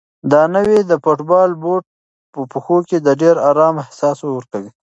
دا نوی د فوټبال بوټ په پښو کې د ډېر ارام احساس ورکوي.